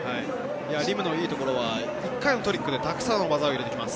輪夢のいいところは１回のトリックでたくさんの技を入れてきます。